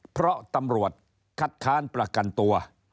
เพราะตำรวจคัดค้านประกันตัว